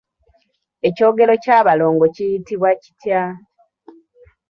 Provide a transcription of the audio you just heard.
Ekyogero ky'abalongo kiyitibwa kitya?